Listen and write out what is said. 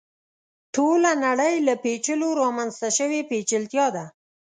ټوله نړۍ له پېچلو رامنځته شوې پېچلتیا ده.